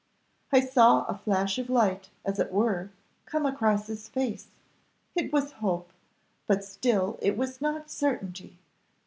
"I saw a flash of light, as it were, come across his face it was hope but still it was not certainty.